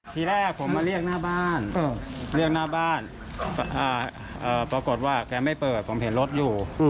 ทีแรกผมมาเรียกหน้าบ้านเรียกหน้าบ้านปรากฏว่าแกไม่เปิดผมเห็นรถอยู่